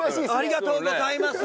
ありがとうございます！